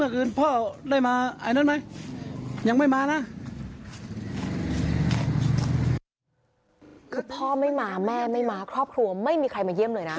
คือพ่อไม่มาแม่ไม่มาครอบครัวไม่มีใครมาเยี่ยมเลยนะ